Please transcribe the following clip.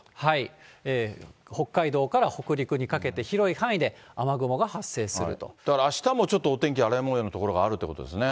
北海道から北陸にかけて、だから、あしたもちょっとお天気、荒れもようの所があるということですね。